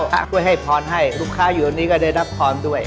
ช่วยให้พรให้ลูกค้าอยู่ตรงนี้ก็ได้รับพรด้วย